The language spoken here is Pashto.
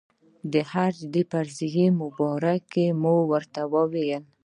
د حج د فرضې مبارکي مو ورته وویله.